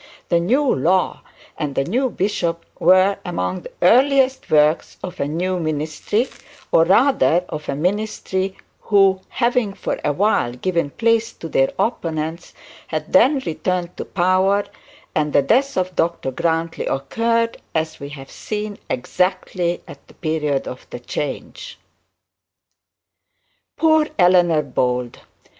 The new law and the new bishop were among the earliest works of a new ministry, or rather of a ministry who, having for a while given place to their opponents, had then returned to power; and the death of Dr Grantly occurred, as we have seen, exactly at the period of change. Poor Eleanor Bold!